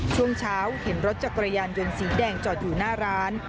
ช่วงเช้าเห็นรถจักรยานยนต์สีแดงจอดอยู่หน้าร้าน